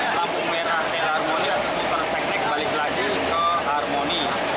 lampung merah l harmoni atau kupar seknek balik lagi ke harmoni